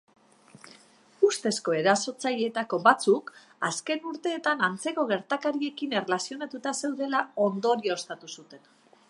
Ustezko erasotzaileetako batzuk azken urteetan antzeko gertakariekin erlazionatuta zeudela ondorioztatu zuten.